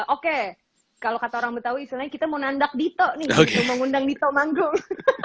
oke kalau kata orang betawi istilahnya kita mau nandak dito nih mau mengundang dito manggung